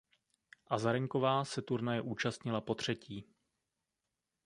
Azarenková se turnaje účastnila potřetí.